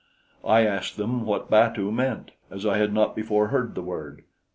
I asked them what batu meant, as I had not before heard the word.